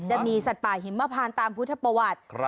จะมีสัตว์ป่าหิมพานตามพุทธประวัติ